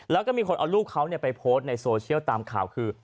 แล้วก็มีคนเอารูปเขาไปโพสต์ในโซเชียลตามข่าวคือ